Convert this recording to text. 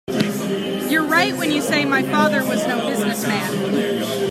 You're right when you say my father was no business man.